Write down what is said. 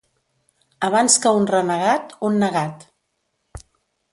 Abans que un renegat, un negat.